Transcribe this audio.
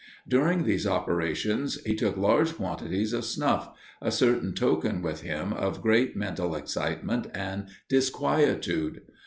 During these operations he took large quantities of snuff a certain token with him of great mental excitement and disquietude.